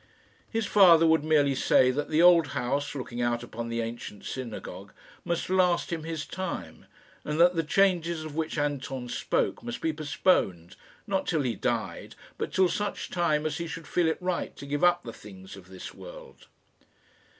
His father would merely say that the old house, looking out upon the ancient synagogue, must last him his time, and that the changes of which Anton spoke must be postponed not till he died but till such time as he should feel it right to give up the things of this world.